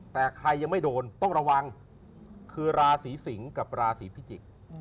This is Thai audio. แต่ใครยังไม่โดนต้องระวังคือราศีสิงศ์กับราศีพิจิกษ์